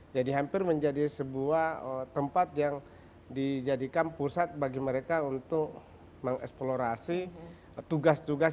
jadi hampir menjadi sebuah tempat yang dijadikan pusat bagi mereka untuk mengeksplorasi tugas tugas